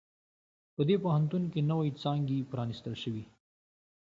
په دې پوهنتون کې نوی څانګي پرانیستل شوي